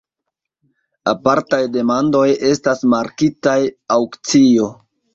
Apartaj demandoj estas markitaj aŭkcio.